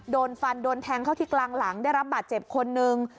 โดนฟันโดนแทงเข้าที่กลางหลังได้รับบาดเจ็บคนนึง